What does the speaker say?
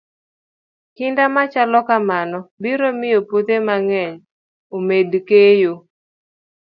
Kinda machalo kamano biro miyo puothe mang'eny omed keyo.